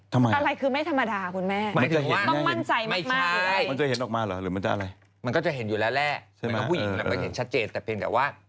ทำไมอะไรคือไม่ธรรมานาคุณแม่